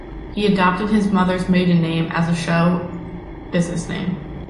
He adopted his mother's maiden name as a show business name.